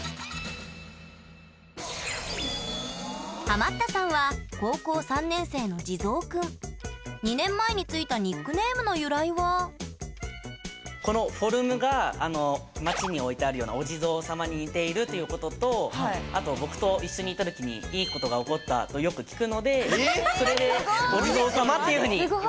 ハマったさんは２年前についたニックネームの由来はこのフォルムが町に置いてあるようなお地蔵様に似ているということとあと僕と一緒にいた時にいいことが起こったとよく聞くのでそれでお地蔵様っていうふうに言われるようになりました。